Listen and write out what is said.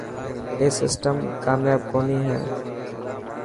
اي سسٽم ڪامپاب ڪوني هي.